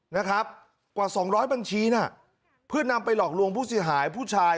นะครับกว่าสองร้อยบัญชีน่ะเพื่อนำไปหลอกลวงผู้เสียหายผู้ชาย